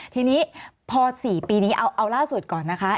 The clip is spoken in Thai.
ทีนี้พอ๔ปีนี้เอาล่าสุดก่อนนะคะ